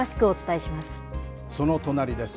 その隣です。